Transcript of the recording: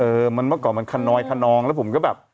เออมันเมื่อก่อนมันคันนอยคันนองแล้วผมก็แบบ